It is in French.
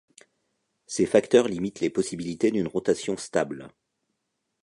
Ces facteurs limitent les possibilités d'une rotation stable.